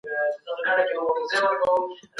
روښانه فکر غوسه نه پیدا کوي.